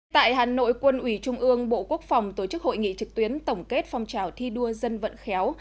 tại hà nội quân ủy trung ương bộ quốc phòng tổ chức hội nghị trực tuyến tổng kết phong trào thi đua dân vận khéo